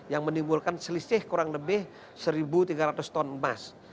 yang menimbulkan selisih kurang lebih satu tiga ratus ton emas